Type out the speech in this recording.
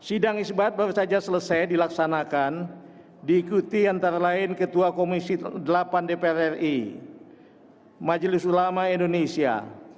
sidang isbat baru saja selesai dilaksanakan diikuti antara lain ketua komisi delapan dpr ri majelis ulama indonesia